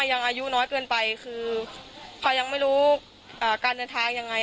อายุน้อยเกินไปคือพอยังไม่รู้การเดินทางยังไง